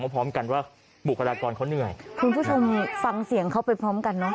พร้อมกันว่าบุคลากรเขาเหนื่อยคุณผู้ชมฟังเสียงเขาไปพร้อมกันเนอะ